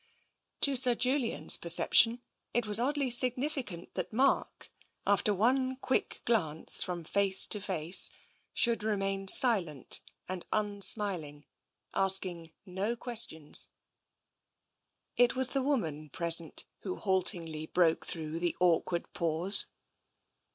To Sir Julian's perception, it was oddly significant that Mark, after one quick glance from face to face, should remain silent and imsmiling, asking no ques tion. It was the woman present who haltingly broke through the awkward pause.